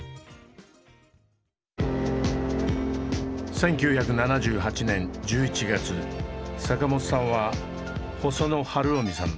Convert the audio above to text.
１９７８年１１月坂本さんは細野晴臣さん